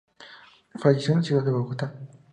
Falleció en la ciudad de Bogotá.